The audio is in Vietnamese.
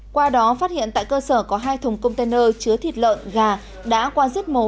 qua đó phát hiện tại cơ sở có hai thùng container chứa thịt lợn gà đã qua giết mổ